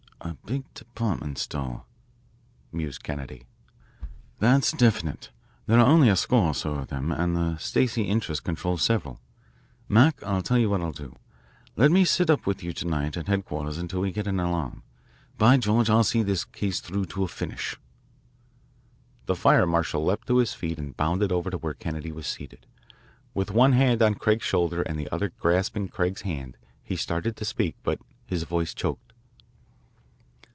"A big department store," mused Kennedy. "That's definite there are only a score or so of them, and the Stacey interests control several. Mac, I'll tell you what I'll do. Let me sit up with you to night at headquarters until we get an alarm. By George, I'll see this case through to a finish! The fire marshal leaped to his feet and bounded over to where Kennedy was seated. With one hand on Craig's shoulder and the other grasping Craig's hand, he started to speak, but his voice choked.